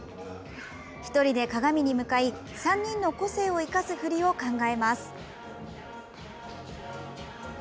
１人で鏡に向かい３人の個性を生かす振りを考えます。